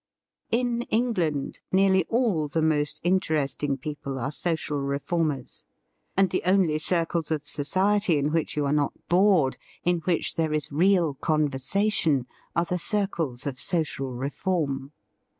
In England, nearly all the most in teresting people are social reformers: and the only circles of society in which you are not bored, in which there is real conversation, are the circles of social reform.